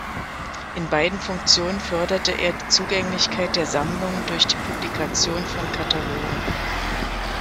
In beiden Funktionen förderte er die Zugänglichkeit der Sammlungen durch die Publikation von Katalogen.